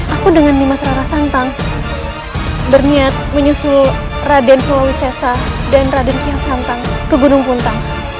aku dengan dimas rara santang berniat menyusul raden surawisesa dan raden ciha santang ke gunung puntang